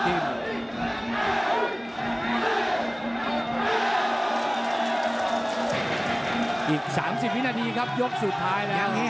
อีก๓๐วินาทีครับยกสุดท้ายแล้ว